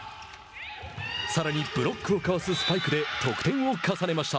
さらにブロックをかわすスパイクで得点を重ねました。